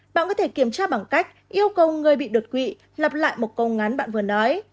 bạn có thể kiểm tra bằng cách yêu cầu người bị đột quỵ lập lại một câu ngắn bạn vừa nói